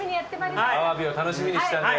アワビを楽しみにしてたんで。